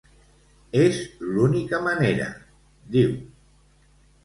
És l'única manera, diu.